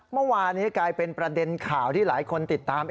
เมื่อวานนี้กลายเป็นประเด็นข่าวที่หลายคนติดตาม